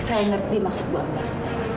saya ngerti maksud bu ambar